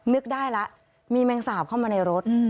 นึกได้แล้วมีแมงสาบเข้ามาในรถ